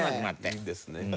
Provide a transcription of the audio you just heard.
いいですね。